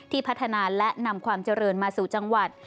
พัฒนาและนำความเจริญมาสู่จังหวัด